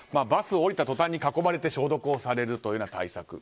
バスを降りた途端に囲まれて消毒をされるというような対策。